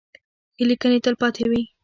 ښې لیکنې تلپاتې وي.